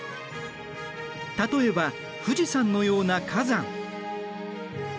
例えば富士山のような火山。